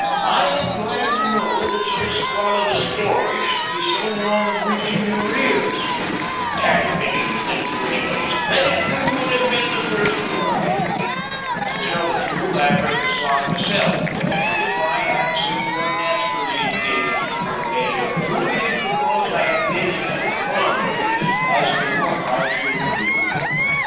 I am glad to know that so squalid a story should be so long of reaching your ears; had it been anything to anybody's credit you would have been the first to learn of it. To tell the truth, I've heard the song myself, and if I have seemed unnaturally engaged for a day or two it is because I have been in a quandary as to what I should do.